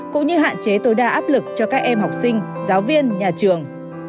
cũng như hạn chế tối đa áp lực cho các em học sinh giáo viên nhà trường